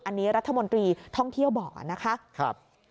อันนี้รัฐมนตรีท่องเที่ยวบ่๋า